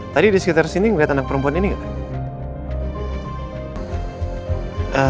tadi di sekitar sini ngeliat anak perempuan ini nggak pak